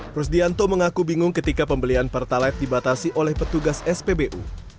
rusdianto mengaku bingung ketika pembelian pertalite dibatasi oleh petugas spbu